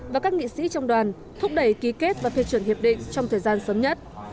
và các nghị sĩ trong đoàn thúc đẩy ký kết và phê chuẩn hiệp định trong thời gian sớm nhất